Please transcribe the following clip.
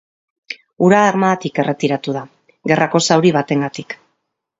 Hura Armadatik erretiratu da gerrako zauri batengatik.